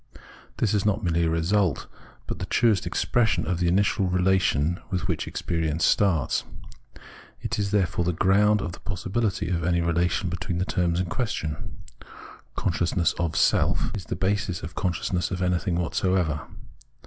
This is not merely a result, but the truest expression of the initial relation with which experience starts. It is, therefore, the ground of the possibility of any relation between the terms in question :" consciousness of self " is the basis of the consciousness of anything whatsoever.